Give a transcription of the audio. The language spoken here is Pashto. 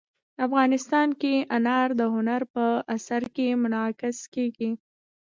افغانستان کې انار د هنر په اثار کې منعکس کېږي.